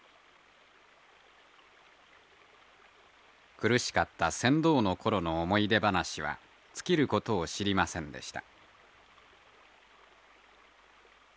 苦しかった船頭の頃の思い出話は尽きることを知りませんでした。